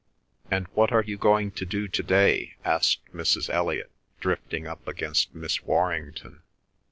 "And what are you going to do to day?" asked Mrs. Elliot drifting up against Miss Warrington.